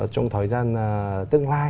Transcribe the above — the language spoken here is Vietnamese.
trong thời gian tương lai